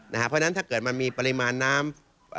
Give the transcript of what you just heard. เพราะฉะนั้นถ้าเกิดมันมีปริมาณน้ำ